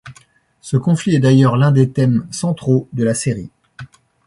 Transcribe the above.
Ce conflit est d'ailleurs l'un des thèmes centraux de la série.